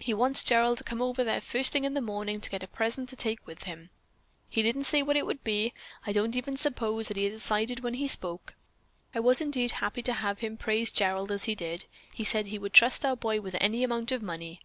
He wants Gerald to come over there first thing in the morning to get a present to take with him. "He didn't say what it would be. I don't even suppose that he had decided when he spoke. I was indeed happy to have him praise Gerald as he did. He said that he would trust our boy with any amount of money.